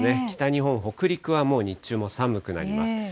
北日本、北陸はもう日中も寒くなります。